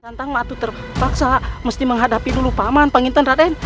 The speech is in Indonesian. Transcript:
santan waktu terpaksa mesti menghadapi dulu paman penginten raden